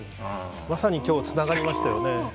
まさに今日つながりましたよね。